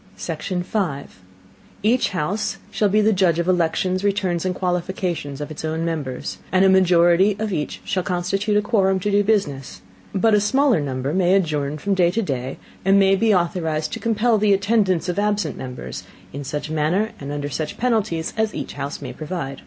Section 5. Each House shall be the Judge of the Elections, Returns and Qualifications of its own Members, and a Majority of each shall constitute a Quorum to do Business; but a smaller Number may adjourn from day to day, and may be authorized to compel the Attendance of absent Members, in such Manner, and under such Penalties as each House may provide.